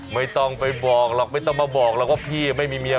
ไม่ต้องไปบอกหรอกไม่ต้องมาบอกหรอกว่าพี่ไม่มีเมีย